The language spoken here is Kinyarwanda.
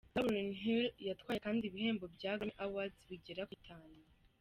Lauryn Hill yatwaye Kandi ibihembo bya Grammy Awards bigera kuri bitanu.